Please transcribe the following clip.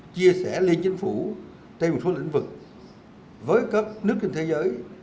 chia sẻ liên chính phủ trên một số lĩnh vực với các nước trên thế giới